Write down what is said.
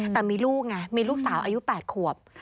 แต่มีลูกไงมีลูกสาวอายุ๘ขวบ